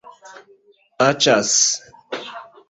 Aĉas.